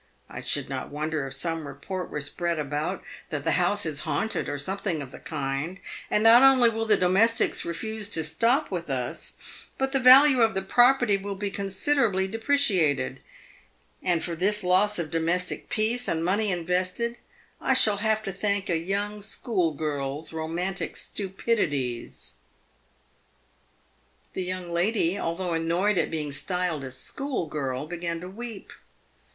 I should not wonder if some report were spread about that the house is haunted, or something of the kind, and not only will the do mestics refuse to stop with us, but the value of the property will be considerably depreciated ; and for this loss of domestic peace and money invested, I shall have to thank a young school girl's romantic stupidities." The young lady, although annoyed at being styled a school girl, began to weep.